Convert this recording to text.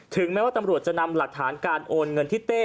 แม้ว่าตำรวจจะนำหลักฐานการโอนเงินที่เต้